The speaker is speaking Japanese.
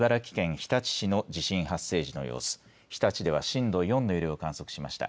日立では震度４の揺れを観測しました。